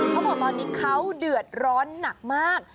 เขาบอกตอนนี้เขาเดือดร้อนหนักมาก